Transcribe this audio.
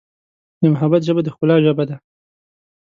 د محبت ژبه د ښکلا ژبه ده.